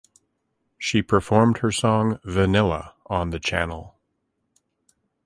She performed her song Vanilla on the channel.